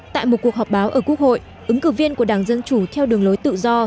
tại một cuộc họp báo ở quốc hội ứng cử viên của đảng dân chủ theo đường lối tự do